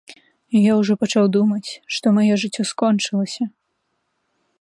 Я ўжо пачаў думаць, што маё жыццё скончылася.